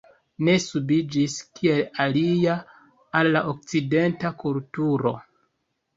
Ne subiĝis, kiel aliaj, al la okcidenta kulturo.